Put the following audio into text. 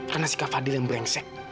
karena si kak fadil yang brengsek